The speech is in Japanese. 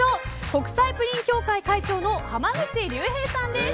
国際プリン協会会長の濱口竜平さんです。